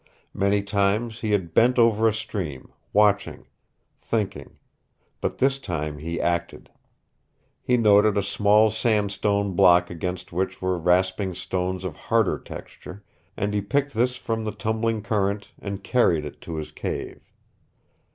Many times he had bent over a stream, watching, thinking, but this time he acted. He noted a small sandstone block against which were rasping stones of harder texture, and he picked this from the tumbling current and carried it to his cave.